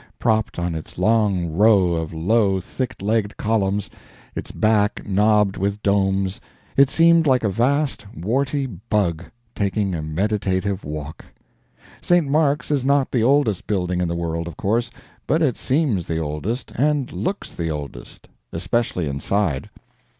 Propped on its long row of low thick legged columns, its back knobbed with domes, it seemed like a vast warty bug taking a meditative walk. St. Mark's is not the oldest building in the world, of course, but it seems the oldest, and looks the oldest especially inside.